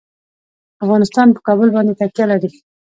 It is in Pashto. افغانستان په کابل باندې تکیه لري.